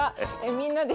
みんなで？